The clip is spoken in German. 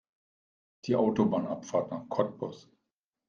Die Autobahnabfahrt nach Cottbus